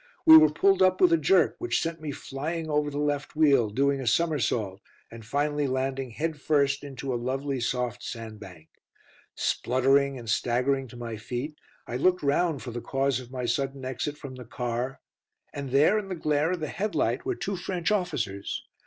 We were pulled up with a jerk, which sent me flying over the left wheel, doing a somersault, and finally landing head first into a lovely soft sandbank. Spluttering and staggering to my feet, I looked round for the cause of my sudden exit from the car, and there in the glare of the headlight were two French officers.